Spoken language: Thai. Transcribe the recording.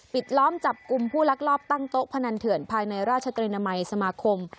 ล้อมจับกลุ่มผู้ลักลอบตั้งโต๊ะพนันเถื่อนภายในราชตรีนามัยสมาคม